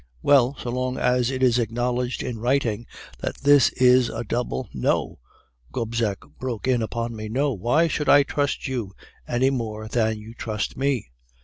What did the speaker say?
"'Well, so long as it is acknowledged in writing that this is a double ' "'No!' Gobseck broke in upon me. 'No! Why should I trust you any more than you trust me?